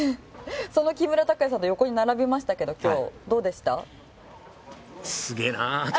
その木村拓哉さんの横に並びましたけど今日どうでした？